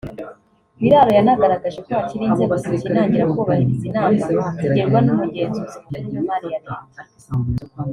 Biraro yanagaragaje ko hakiri inzego zikinangira kubahiriza inama zigirwa n’Umugenzuzi mukuru w’imari ya Leta